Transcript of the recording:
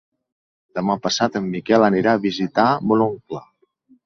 Demà passat en Miquel anirà a visitar mon oncle.